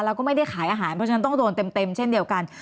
แล้วก็ไม่ได้ขายอาหารเพราะฉะนั้นต้องโดนเต็มเช่นเดียวกัน